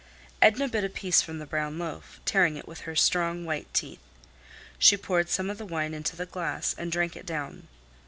Edna bit a piece from the brown loaf, tearing it with her strong, white teeth. She poured some of the wine into the glass and drank it down.